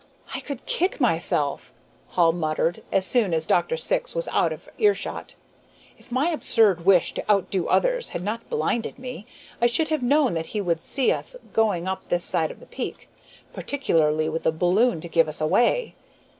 "I could kick myself," Hall muttered as soon as Dr. Syx was out of earshot. "If my absurd wish to outdo others had not blinded me, I should have known that he would see us going up this side of the peak, particularly with the balloon to give us away.